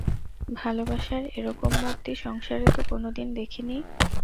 ভালোবাসার এরকম মূর্তি সংসারে তো কোনোদিন দেখি নি।